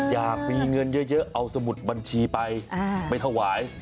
อยากมีเงินเยอะเอาสมุดบัญชีไปไปถวาย